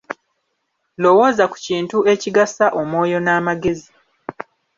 Lowooza ku kintu ekigasa omwoyo n'amagezi.